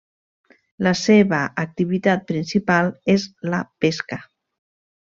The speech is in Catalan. La seva activitat principal és la pesca.